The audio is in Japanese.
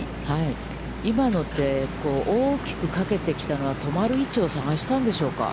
今のって、大きくかけてきたのは止まる位置を探したんでしょうか？